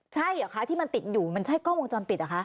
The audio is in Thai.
ใช่เหรอคะที่มันติดอยู่มันใช่กล้องวงจรปิดเหรอคะ